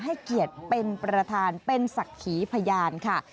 ให้เกียรติเป็นประธานเป็นศักดิ์ขีพยานค่ะ